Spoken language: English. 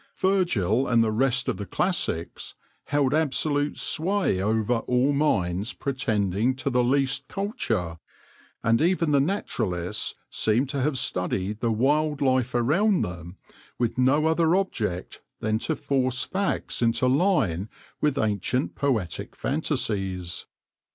Virgil and the rest of the classics held absolute sway over all minds pretending to the least culture, and even the naturalists seem to have studied the wild life around them with no other object than to force facts into line with ancient poetic fantasies.